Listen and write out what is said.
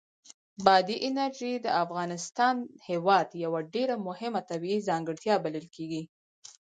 بادي انرژي د افغانستان هېواد یوه ډېره مهمه طبیعي ځانګړتیا بلل کېږي.